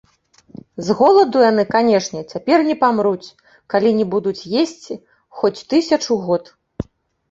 З голаду яны, канешне, цяпер не памруць, калі не будуць есці хоць тысячу год.